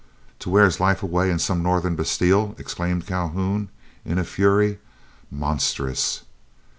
"To wear his life away in some Northern bastile!" exclaimed Calhoun, in a fury. "Monstrous!"